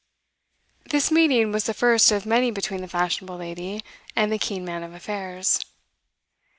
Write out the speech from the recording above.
This meeting was the first of many between the fashionable lady and the keen man of affairs.